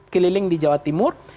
keliling di jawa timur